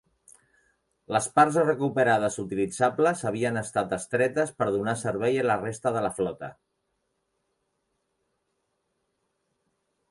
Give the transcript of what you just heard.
Les parts recuperades utilitzables havien estat extretes per donar servei a la resta de la flota.